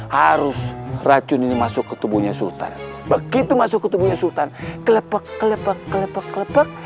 harus rancum ini masuk ketemunya sultan begitu masuk ketemunya sultan klepak klepak klepak klepak